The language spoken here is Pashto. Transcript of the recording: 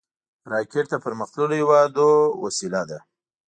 راکټ د پرمختللو هېوادونو وسیله ده